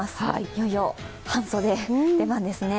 いよいよ半袖の出番ですね。